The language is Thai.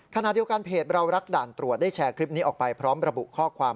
ขณะเดียวกันเพจเรารักด่านตรวจได้แชร์คลิปนี้ออกไปพร้อมระบุข้อความ